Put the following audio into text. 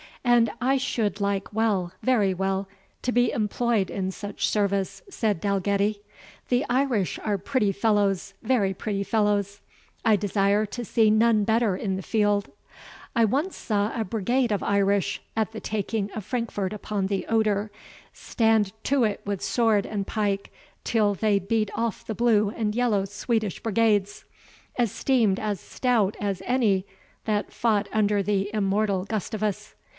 "And I should like well very well, to be employed in such service," said Dalgetty; "the Irish are pretty fellows very pretty fellows I desire to see none better in the field. I once saw a brigade of Irish, at the taking of Frankfort upon the Oder, stand to it with sword and pike until they beat off the blue and yellow Swedish brigades, esteemed as stout as any that fought under the immortal Gustavus.